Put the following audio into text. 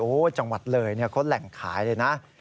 โอ้จังหวัดเรย์เนี่ยเขาแหล่งขายเลยนะ